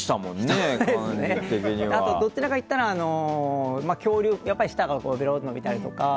どちらかといったら恐竜、舌がべろんと伸びたりとか。